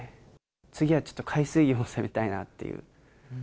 次はちょっと海水魚を攻めたいなっていう。